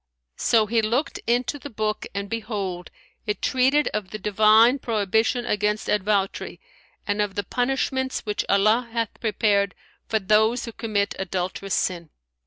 So he looked into the book, and behold, it treated of the Divine prohibition against advoutry and of the punishments which Allah hath prepared for those who commit adulterous sin.